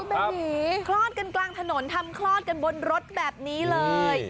แบบนี้คลอดกันกลางถนนทำคลอดกันบนรถแบบนี้เลย